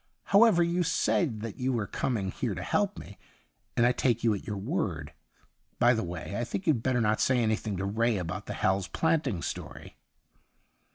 However, you said that you were coming here to help me, and I take you at your word. By the way, I think you'd better not say anything to Ray about the Hal's Planting story.'